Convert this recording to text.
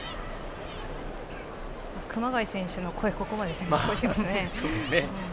熊谷選手の声ここまで聞こえてきますね。